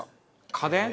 家電？